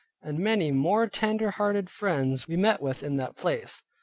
And many more tender hearted friends we met with in that place.